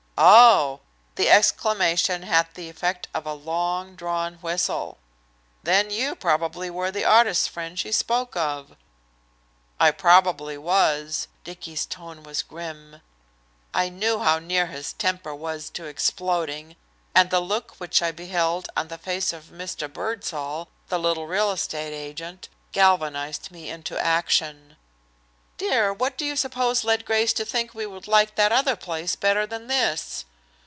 "Oh!" The exclamation had the effect of a long drawn whistle. "Then you probably were the artist friend she spoke of." "I probably was." Dicky's tone was grim. I knew how near his temper was to exploding, and the look which I beheld on the face of Mr. Birdsall, the little real estate agent, galvanized me into action. "Dear, what do you suppose led Grace to think we would like that other place better than this?"